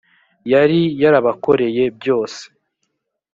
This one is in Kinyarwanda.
yari yarabakoreye byose